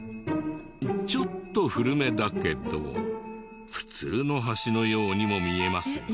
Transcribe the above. ちょっと古めだけど普通の橋のようにも見えますが。